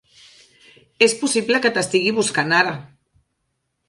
És possible que t'estigui buscant ara.